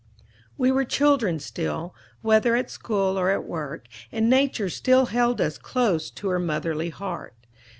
We were children still, whether at school or at work, and Nature still held us close to her motherly heart.